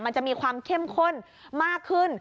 มันจะมีความเข้มข้นมากขึ้น